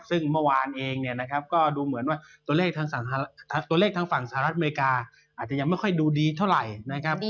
ซึ่งเมื่อวานเองเนี่ยนะครับก็ดูเหมือนว่าตัวเลขทางฝั่งสหรัฐอเมริกาอาจจะยังไม่ค่อยดูดีเท่าไหร่นะครับ